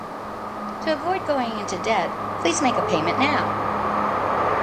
To avoid going into debt, please make a payment now.